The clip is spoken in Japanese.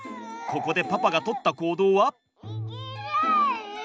ここでパパがとった行動は？